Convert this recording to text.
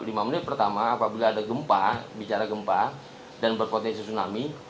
lima menit pertama apabila ada gempa bicara gempa dan berpotensi tsunami